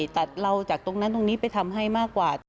ตัดเราจากตรงนั้นตรงนี้ไปทำให้มากกว่า